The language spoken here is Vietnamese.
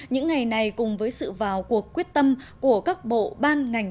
những ngày này cùng với sự vào cuộc quyết tâm của các bộ ban ngành